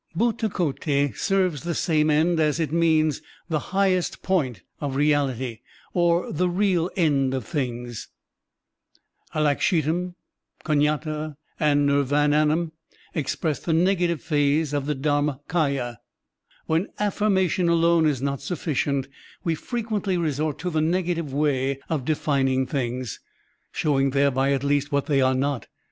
BhAtakoti serves the same end, as it means the "highest point of reality," or "the real end of things." Alakshitam, Q<inyat4, and Nirvanam express the negative phase of the DharmakAya. When affirmation alone is not sufficient, we frequently resort to the negative way of defining things, showing thereby at least what they are not.